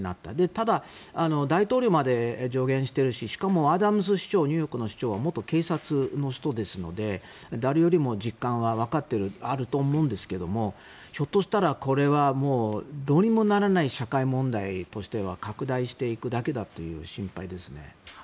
ただ、大統領まで助言しているししかもアダムスニューヨーク市長警察の人ですので実感はあると思うんですがひょっとしたらこれはもうどうにもならない社会問題として拡大していくだけだという心配ですね。